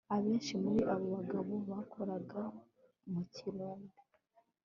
Abenshi muri abo bagabo bakoraga mu kirombe